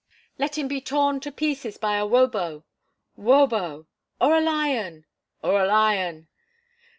"Let him be torn to pieces by a wobo!" "Wobo!" "Or a lion!" "Or a lion!"